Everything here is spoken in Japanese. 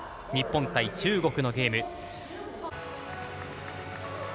日本対中国のゲーム。